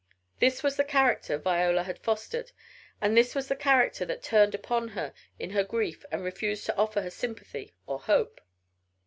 This was the character Viola had fostered, and this was the character that turned upon her in her grief and refused to offer her sympathy or hope.